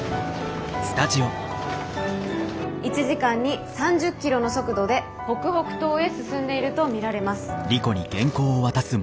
１時間に３０キロの速度で北北東へ進んでいると見られます。